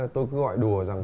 tôi cứ gọi đùa rằng